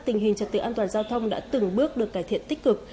tình hình trật tự an toàn giao thông đã từng bước được cải thiện tích cực